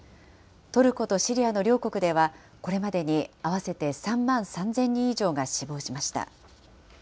トルコとシリアの両国では、これまでに合わせて３万３０００人以上が死亡しました。